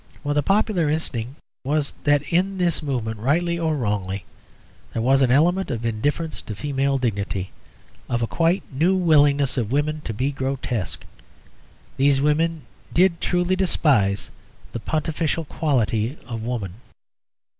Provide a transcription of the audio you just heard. For the popular instinct was that in this movement, rightly or wrongly, there was an element of indifference to female dignity, of a quite new willingness of women to be grotesque. These women did truly despise the pontifical quality of woman.